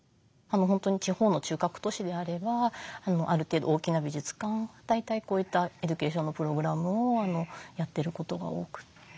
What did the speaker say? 地方の中核都市であればある程度大きな美術館は大体こういったエデュケーションのプログラムをやってることが多くて。